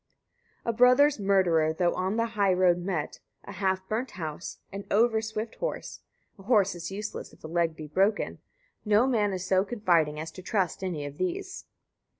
A brother's murderer, though on the high road met, a half burnt house, an over swift horse, (a horse is useless, if a leg be broken), no man is so confiding as to trust any of these.